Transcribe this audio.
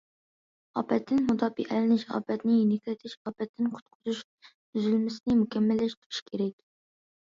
ئاپەتتىن مۇداپىئەلىنىش، ئاپەتنى يېنىكلىتىش، ئاپەتتىن قۇتقۇزۇش تۈزۈلمىسىنى مۇكەممەللەشتۈرۈش كېرەك.